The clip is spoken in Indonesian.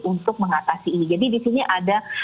untuk mengatasi ini jadi di sini ada